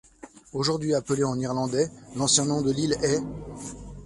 Aujourd'hui appelée en irlandais ', l'ancien nom de l'île est '.